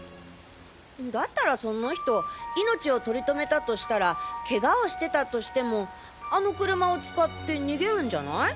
だったらその人命をとりとめたとしたらケガをしてたとしてもあの車を使って逃げるんじゃない？